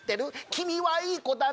君はいい子だね